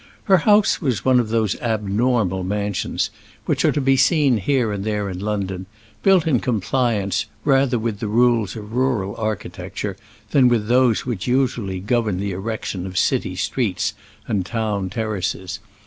Her house was one of those abnormal mansions, which are to be seen here and there in London, built in compliance rather with the rules of rural architecture, than with those which usually govern the erection of city streets and town terraces.